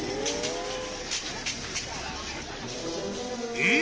［えっ！？